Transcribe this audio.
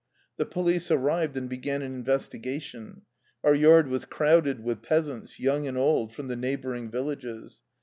The police arrived and began an investi gation. Our yard was crowded with peasants, young and old, from the neighboring villages.